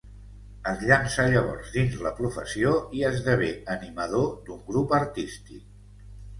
Es llança llavors dins la professió i esdevé animador d'un grup artístic.